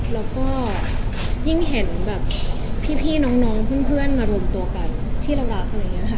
แล้วก็ยิ่งเห็นพี่น้องเพื่อนมารวมตัวกันที่เรารัก